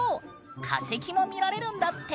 化石も見られるんだって！